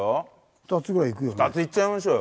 ２ついっちゃいましょうよ。